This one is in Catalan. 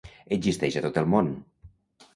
Existeix a tot el món.